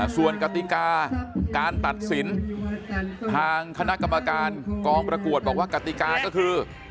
ส่วนกติกาการตัดสินทางคณะกรรมการกองประกวดบอกว่ากติกาก็คือ